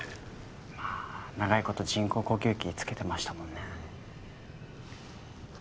まあ長い事人工呼吸器着けてましたもんね。